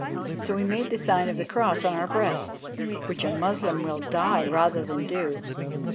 So we made the sign of the Cross on our breasts, which a Moslem will die rather than do.